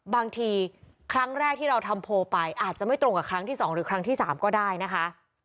บางทีครั้งแรกที่เราทำโพลไปอาจจะไม่ตรงกับครั้งที่๒หรือครั้งที่๓ก็ได้นะคะ